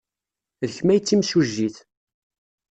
D kemm ay d timsujjit.